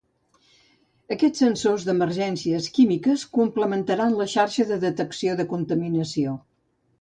Aquests sensors d'emergències químiques complementaran la xarxa de detecció de contaminació.